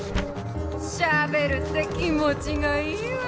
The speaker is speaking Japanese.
しゃべるって気もちがいいわねぇ！